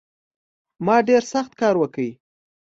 ما ډېر سخت کار وکړ